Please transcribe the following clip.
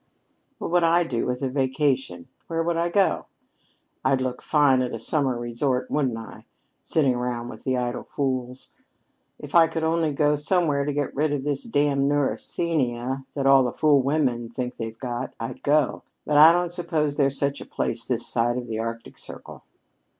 "What would I do with a vacation? And where could I go? I'd look fine at a summer resort, wouldn't I, sitting around with idle fools? If I could only go somewhere to get rid of this damned neurasthenia that all the fool women think they've got, I'd go; but I don't suppose there's such a place this side of the Arctic Circle."